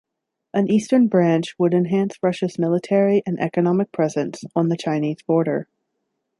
An eastern branch would enhance Russia's military and economic presence on the Chinese border.